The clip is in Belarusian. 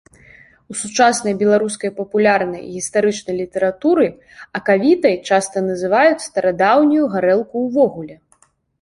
У сучаснай беларускай папулярнай гістарычнай літаратуры акавітай часта называюць старадаўнюю гарэлку ўвогуле.